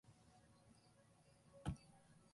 விட்டுக் கொடுக்கவும் விரும்பவில்லை.